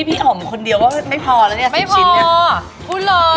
พี่อ่อมคนเดียวว่าไม่พอแล้วเนี่ย๑๐ชิ้นเนี่ยไม่พอพูดเลย